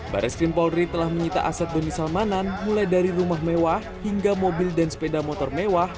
baris krim polri telah menyita aset doni salmanan mulai dari rumah mewah hingga mobil dan sepeda motor mewah